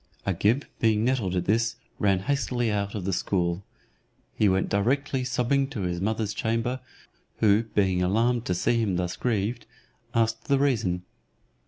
Agib being nettled at this, ran hastily out of the school. He went directly sobbing to his mother's chamber, who being alarmed to see him thus grieved, asked the reason.